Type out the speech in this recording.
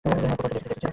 হ্যাঁ, কোথাও তো দেখেছি।